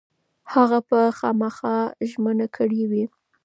هغه به خامخا ژمنه کړې وي.